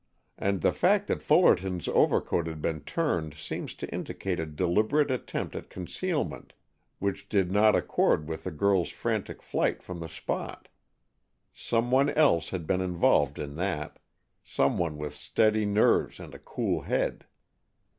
And the fact that Fullerton's overcoat had been turned seemed to indicate a deliberate attempt at concealment which did not accord with the girl's frantic flight from the spot. Some one else had been involved in that, some one with steady nerves and a cool head.